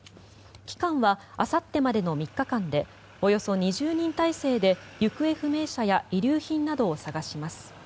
期間はあさってまでの３日間でおよそ２０人態勢で行方不明者や遺留品などを探します。